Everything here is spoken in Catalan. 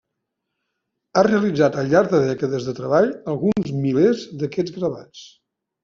Ha realitzat al llarg de dècades de treball alguns milers d'aquests gravats.